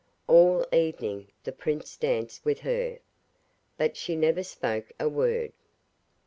All evening the prince danced with her, but she never spoke a word.